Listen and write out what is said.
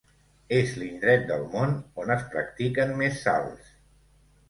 És l’indret del món on es practiquen més salts.